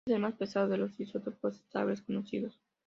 Es el más pesado de los isótopos estables conocidos.